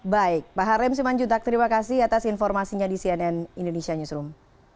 baik pak harim simanjuntak terima kasih atas informasinya di cnn indonesia newsroom